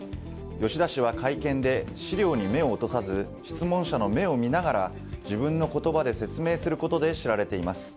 吉田氏は会見で資料に目を落とさず質問者の目を見ながら自分の言葉で説明することで知られています。